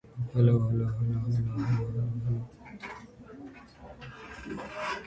Initially she took other jobs while she was teaching skating in sports clubs.